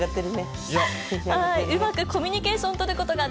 うまくコミュニケーション取